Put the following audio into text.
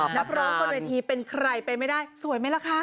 นักร้องบนเวทีเป็นใครไปไม่ได้สวยไหมล่ะคะ